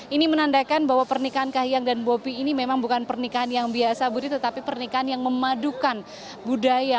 ini menandakan bahwa pernikahan kahiyang dan bobi ini memang bukan pernikahan yang biasa budi tetapi pernikahan yang memadukan budaya